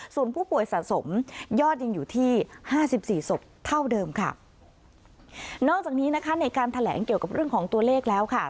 ส่วนผู้ป่วยสะสมยอดยังอยู่ที่ห้าสิบสี่ศพเท่าเดิมค่ะนอกจากนี้นะคะในการแถลงเกี่ยวกับเรื่องของตัวเลขแล้วค่ะ